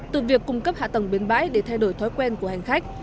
từ việc cung cấp hạ tầng biến bãi để thay đổi thói quen của hành khách